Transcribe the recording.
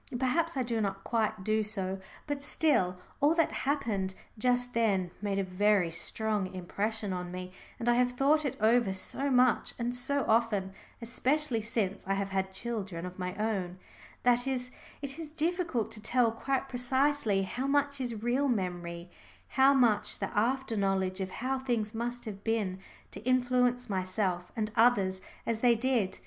Perhaps I do not quite do so, but still, all that happened just then made a very strong impression on me, and I have thought it over so much and so often, especially since I have had children of my own, that it is difficult to tell quite precisely how much is real memory, how much the after knowledge of how things must have been, to influence myself and others as they did.